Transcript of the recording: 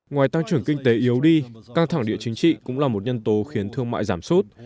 ngoài tăng trưởng kinh tế yếu đi căng thẳng địa chính trị cũng là một nhân tố khiến thương mại giảm sút